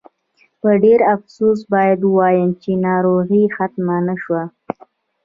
په ډېر افسوس باید ووایم چې ناروغي ختمه نه شوه.